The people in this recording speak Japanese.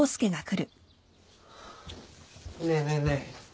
ねえねえねえ。